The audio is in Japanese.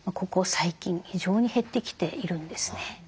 最近非常に減ってきているんですね。